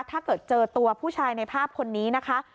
ถ้าเกิดเจอตัวผู้ชายในภาพคนนี้นะคะ